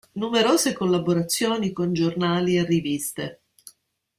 Numerose le collaborazioni con giornali e riviste.